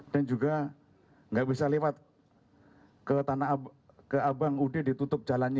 dan juga gak bisa lewat ke abang ud ditutup jalannya